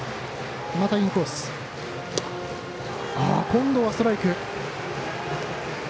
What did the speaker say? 今度はストライク。